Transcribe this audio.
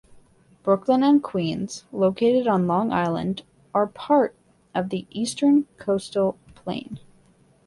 Brooklyn and Queens, located on Long Island, are part of the eastern coastal plain.